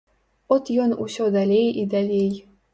От ён усё далей і далей.